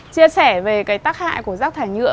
chia sẻ về cái tác hại của rác thải nhựa